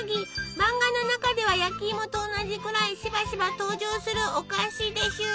漫画の中では焼きいもと同じくらいしばしば登場するお菓子です。